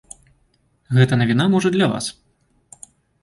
Гэта навіна, можа, для вас.